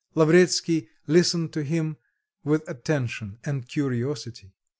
Lavretsky listened to him with attention and curiosity.